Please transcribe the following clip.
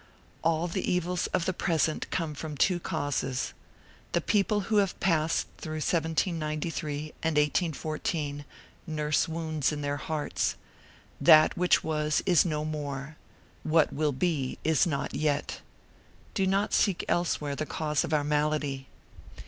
All the evils of the present come from two causes: the people who have passed through 1793 and 1814, nurse wounds in their hearts. That which was is no more; what will be, is not yet. Do not seek elsewhere the cause of our malady.